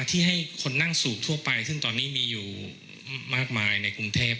ที่ให้คนนั่งสูบทั่วไปซึ่งตอนนี้มีอยู่มากมายในกรุงเทพ